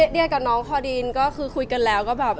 เดียกับน้องคอดีนก็คือคุยกันแล้วก็แบบ